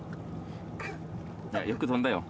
よく飛んだよ。